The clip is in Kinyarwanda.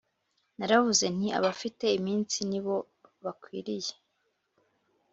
Naravuze nti Abafite iminsi ni bo bakwiriye